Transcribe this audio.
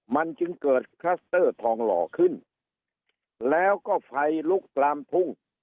มันจึงเกิดคลัสเตอร์ทองหล่อขึ้นแล้วก็ไฟลุกลามทุ่ง